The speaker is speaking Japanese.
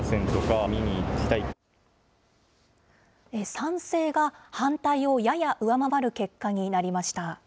賛成が反対をやや上回る結果になりました。